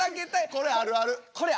これあるあるやな。